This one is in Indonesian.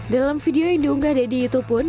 dalam video yang diunggah deddy itu pun